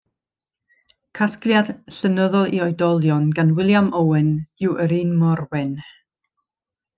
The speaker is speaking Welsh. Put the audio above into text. Casgliad llenyddol i oedolion gan William Owen yw Yr Un Mor Wen.